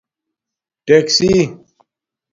ٹکسیی